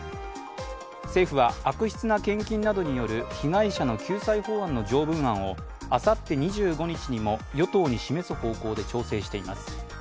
政府は、悪質な献金などによる被害者の救済法案の条文案をあさって２５日にも与党に示す方向で調整しています。